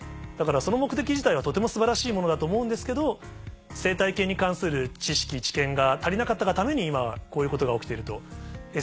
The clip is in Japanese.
だからその目的自体はとても素晴らしいものだと思うんですけど生態系に関する知識知見が足りなかったがために今こういうことが起きていると。